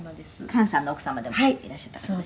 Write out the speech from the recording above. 「寛さんの奥様でもいらっしゃった方」